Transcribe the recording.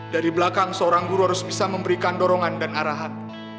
dari belakang seorang guru harus bisa memberikan dorongan dan arahan